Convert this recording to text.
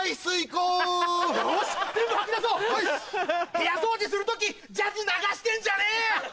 部屋掃除する時ジャズ流してんじゃねえ！